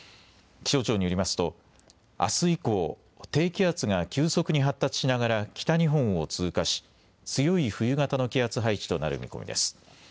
気象庁によりますとあす以降、低気圧が急速に発達しながら北日本を通過し強い冬型の気圧配置となる見込みです。